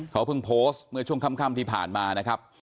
เขาเพิ่งโพสต์เมื่อช่วงค่ำที่ผ่านมานะครับ